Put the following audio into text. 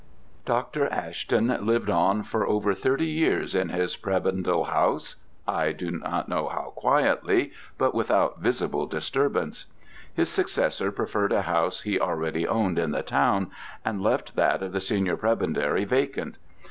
Dr. Ashton lived on for over thirty years in his prebendal house, I do not know how quietly, but without visible disturbance. His successor preferred a house he already owned in the town, and left that of the senior prebendary vacant.